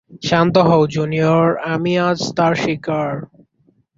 শান্ত হও, জুনিয়র আমি আজ তার শিকার।